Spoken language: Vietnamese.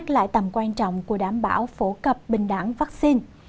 đây là những thông tin quan trọng của đảm bảo phổ cập bình đẳng vaccine